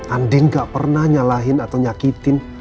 andi gak pernah nyalahin atau nyakitin